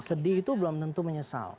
sedih itu belum tentu menyesal